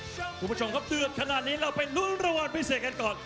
คุณผู้ชมครับเกือบขนาดนี้เราไปลุ้นรางวัลพิเศษกันก่อน